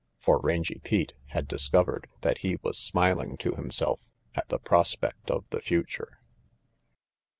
For Rangy Pete had dis covered that he was smiling to himself at the prospect of the future.